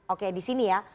oke disini ya